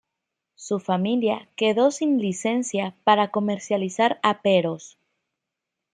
Su familia quedó sin licencia para comercializar aperos.